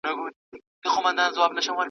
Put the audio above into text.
د واک هره ورځ يې د حساب وړ بلله.